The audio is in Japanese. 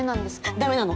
ダメなの。